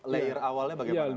layer awalnya bagaimana